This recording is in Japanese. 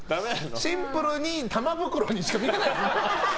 シンプルに玉袋にしか見えないです。